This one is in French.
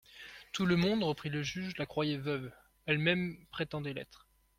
Tout le monde, reprit le juge, la croyait veuve ; elle-même prétendait l'être.